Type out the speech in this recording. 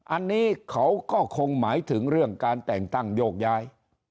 อันนี้เขาก็คงหมายถึงเรื่องการแต่งตั้งโยกย้าย